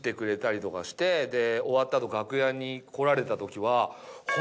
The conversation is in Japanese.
終わった後楽屋に来られた時は。